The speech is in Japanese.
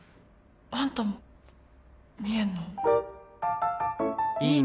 あんたも見えんの？